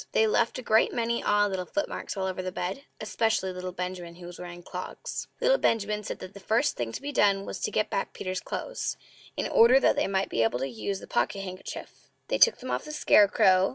They left a great many odd little footmarks all over the bed, especially little Benjamin, who was wearing clogs. Little Benjamin said that the first thing to be done was to get back Peter's clothes, in order that they might be able to use the pocket handkerchief. They took them off the scarecrow.